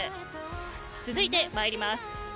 続いて、まいります。